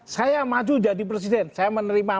saya maju jadi presiden saya menerima